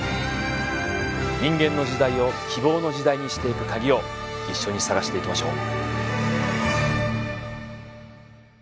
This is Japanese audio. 人間の時代を希望の時代にしていくカギを一緒に探していきましょう！